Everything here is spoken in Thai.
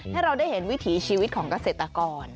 ให้เราได้เห็นวิถีชีวิตของเกษตรกร